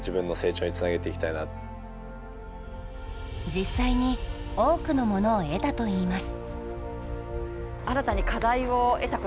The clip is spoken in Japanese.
実際に、多くのものを得たといいます。